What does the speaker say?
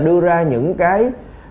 đưa ra những cái